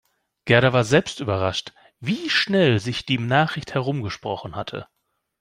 Gerda war selbst überrascht, wie schnell sich die Nachricht herumgesprochen hatte.